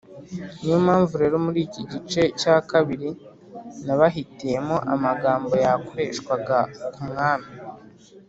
Niyo mpamvu rero muri iki gice cya kabiri nabahitiyemo amagambo yakoreshwaga ku Mwami